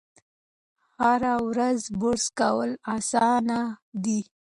هره ورځ برس کول اسانه دي.